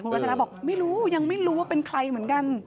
วัชนะบอกไม่รู้ยังไม่รู้ว่าเป็นใครเหมือนกัน